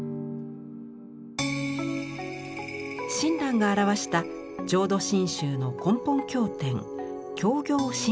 親鸞が著した浄土真宗の根本経典「教行信証」。